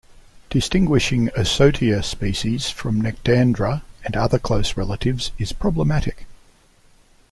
Distinguishing "Ocotea" species from "Nectandra" and other close relatives is problematic.